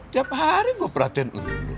tiap hari gua perhatiin